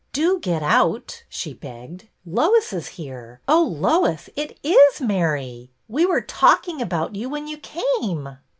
'' Do get out," she begged. Lois is here. Oh, Lois, it is Mary. We were talking about you when you came."